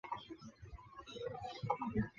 地名源自于当地的长延寺。